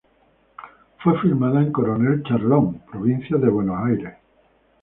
Fue filmada en Coronel Charlone, provincia de Buenos Aires.